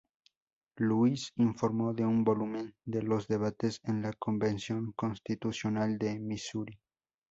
Louis, informó de un volumen de los debates en la Convención Constitucional de Missouri.